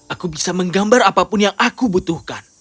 aku bisa menggambar apapun yang aku butuhkan